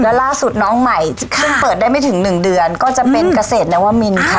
แล้วล่าสุดน้องใหม่ซึ่งเปิดได้ไม่ถึง๑เดือนก็จะเป็นเกษตรนวมินค่ะ